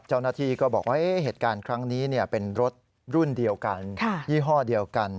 เจ้าหน้าที่ก็บอกว่าเหตุการณ์ครั้งนี้เป็นรถรุ่นเดียวกันยี่ห้อเดียวกัน